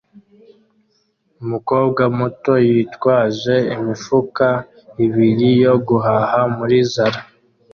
Umukobwa muto yitwaje imifuka ibiri yo guhaha muri Zara